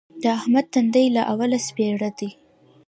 د احمد تندی له اوله سپېره دی.